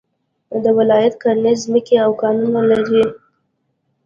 دا ولايت کرنيزې ځمکې او کانونه لري